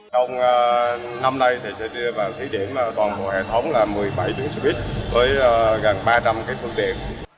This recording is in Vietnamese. trong năm nay sẽ đưa vào thí điểm toàn bộ hệ thống là một mươi bảy tuyến xe buýt với gần ba trăm linh phương tiện